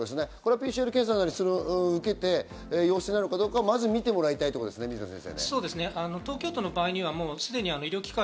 ＰＣＲ検査なりを受けて陽性なのかをまず見てもらいたいってことですね、水野先生。